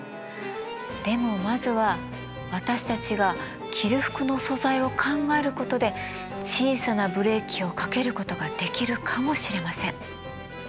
でもまずは私たちが着る服の素材を考えることで小さなブレーキをかけることができるかもしれません。